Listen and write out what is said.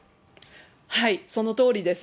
はい、そのとおりです。